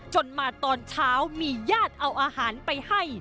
จนมาตอนเช้ามีญาติเอาอาหารไปให้